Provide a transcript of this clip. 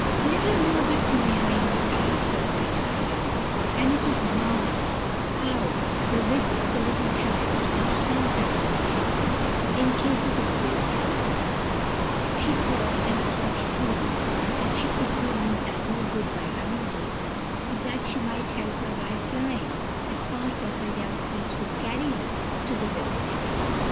"Little Margot, from behind her tree, heard those cries; and it is marvellous how the wits of a little child are sometimes sharpened, in cases of great trial; she thought, and thought truly, that she could do Meeta no good by running to her, but that she might help her by flying, as fast as her young feet could carry her, to the village.